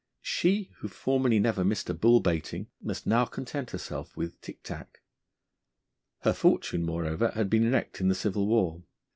She, who formerly never missed a bull baiting, must now content herself with tick tack. Her fortune, moreover, had been wrecked in the Civil War.